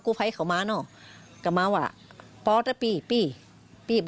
ข้อสมบัติ้มากว่าวโคไฟครับ